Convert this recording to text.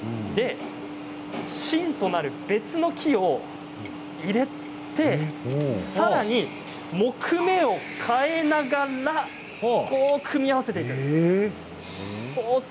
芯となる、別の木を入れてさらに木目を変えながら組み合わせていくんです。